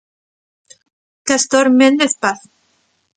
Castor Méndez Paz.